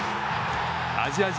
アジア人